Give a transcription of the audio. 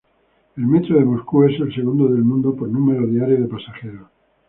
El metro de Moscú es el segundo del mundo por número diario de pasajeros.